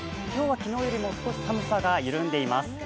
今日は昨日よりも少し寒さが緩んでいます。